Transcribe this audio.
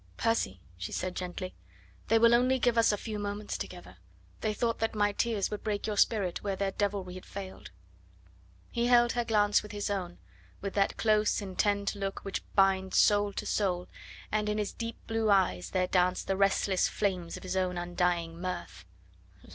"Percy," she said gently, "they will only give us a few moments together. They thought that my tears would break your spirit where their devilry had failed." He held her glance with his own, with that close, intent look which binds soul to soul, and in his deep blue eyes there danced the restless flames of his own undying mirth: "La!